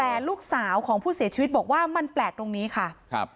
แต่ลูกสาวของผู้เสียชีวิตบอกว่ามันแปลกตรงนี้ค่ะครับ